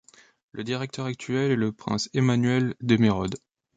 Le directeur actuel est le prince Emmanuel de Merode.